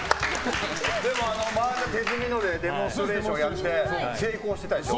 手積みのマージャンデモンストレーションやって成功してたでしょ。